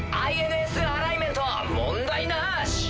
ＩＮＳアライメント問題なし。